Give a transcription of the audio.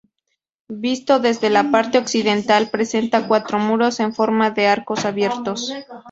Visto desde la parte occidental presenta cuatro muros en forma de arcos abiertos.